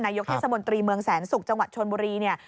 ยกเทศมนตรีเมืองแสนศุกร์จังหวัดชนบุรีเนี่ย